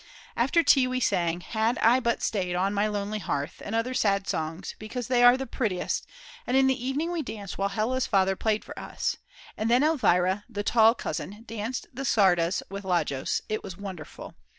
After tea we sang: "Had I but stayed on my lonely Hearth" and other sad songs, because they are the prettiest, and in the evening we danced while Hella's Father played for us; and then Elwira, the tall cousin, danced the czardas with Lajos, it was wonderful.